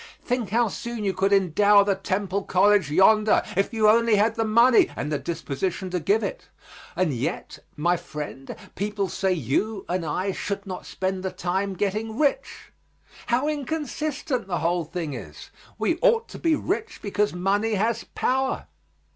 Think how soon you could endow the Temple College yonder if you only had the money and the disposition to give it; and yet, my friend, people say you and I should not spend the time getting rich. How inconsistent the whole thing is. We ought to be rich, because money has power.